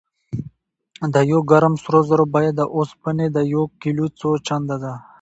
د یو ګرام سرو زرو بیه د اوسپنې د یو کیلو څو چنده ده.